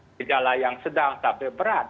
gejala yang sedang sampai berat